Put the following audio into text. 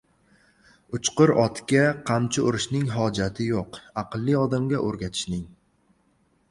• Uchqir otga qamchi urishning hojati yo‘q, aqlli odamga ― o‘rgatishning.